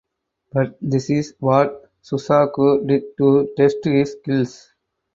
But this is what Shusaku did to test his skills.